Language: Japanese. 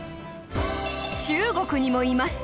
中国にもいます！